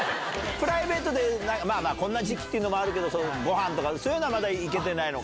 プライベートでまあまあ、こんな時期っていうのもあるけど、ごはんとか、そういうのはまだ行けてないのか。